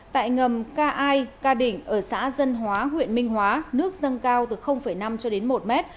tại ngầm ca ai ca đỉnh ở xã dân hóa huyện minh hóa nước dâng cao từ năm cho đến một mét